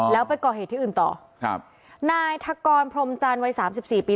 แล้วไปก่อเหตุที่อื่นต่อครับนายทกรพรมจันทร์วัยสามสิบสี่ปี